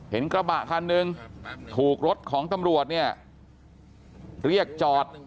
เห็นกระบะคันหนึ่งถูกรถของตำรวจเนี่ยเรียกจอด